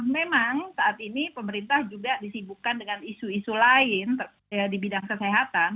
memang saat ini pemerintah juga disibukkan dengan isu isu lain di bidang kesehatan